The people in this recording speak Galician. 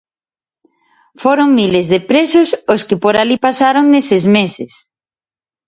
Foron miles de presos os que por alí pasaron neses meses.